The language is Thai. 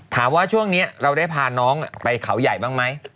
ถามว่าช่วงนี้เราได้พาน้องไปเขาใหญ่บ้างไหม